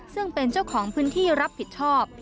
ซึ่งเป็นเจ้าของพื้นที่รับผิดชอบ